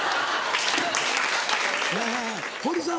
え堀さん